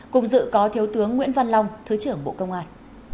cùng dự có thiếu tướng nguyễn văn long thứ trưởng bộ công an